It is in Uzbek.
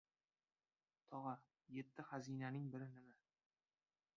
- Togʻa, yetti xazinaning biri nima?